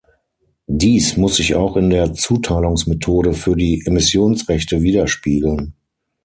Dies muss sich auch in der Zuteilungsmethode für die Emissionsrechte widerspiegeln.